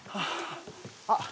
あっ。